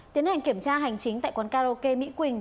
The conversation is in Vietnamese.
tiến hành kiểm tra hành chính tại quán karaoke mỹ quỳnh